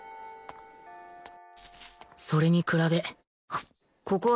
それに比べここは静かだ